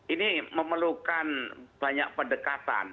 ini memerlukan banyak pendekatan